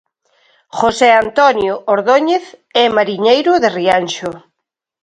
José Antonio Ordóñez é mariñeiro e de Rianxo.